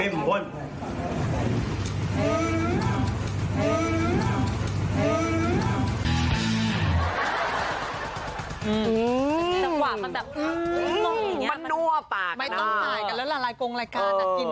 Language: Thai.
ไม่ต้องหายกันแล้วละรายกรงรายการน่ะ